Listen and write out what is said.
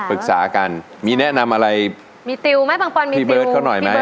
ปรึกษากันมีแนะนำอะไรพี่เบิร์ตเขาหน่อยไหม